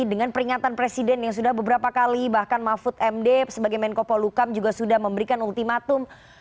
dengan peringatan presiden yang sudah beberapa kali bahkan mahfud md sebagai menko polukam juga sudah memberikan ultimatum